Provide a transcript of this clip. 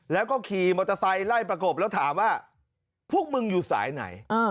แล้วก็ขี่มอเตอร์ไซค์ไล่ประกบแล้วถามว่าพวกมึงอยู่สายไหน